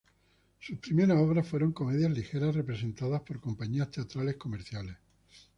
Sus primeras obras fueron comedias ligeras representadas por compañías teatrales comerciales.